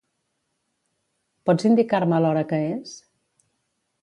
Pots indicar-me l'hora que és?